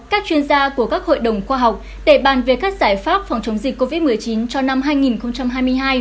các chuyên gia của các hội đồng khoa học để bàn về các giải pháp phòng chống dịch covid một mươi chín cho năm hai nghìn hai mươi hai